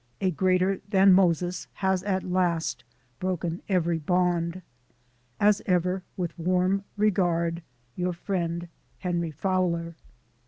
a "Greater than Moses " has at last broken every bond. As ever, with warm regard, your friend, HENRY FOWLER.